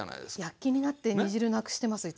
躍起になって煮汁なくしてますいつも。